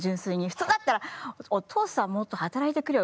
普通だったら「お父さんもっと働いてくれよ。